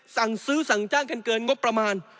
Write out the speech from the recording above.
สั่งซื้อสั่งจ้างกันเกินงบประมาณ